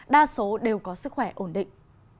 đa số đều có sức khỏe ổn định